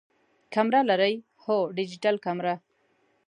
کمره لرئ؟ هو، ډیجیټل کمره